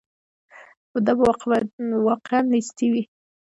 دا به واقعاً نیستي هم وي.